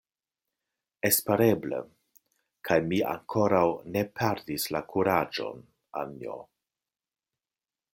Espereble; kaj mi ankoraŭ ne perdis la kuraĝon, Anjo.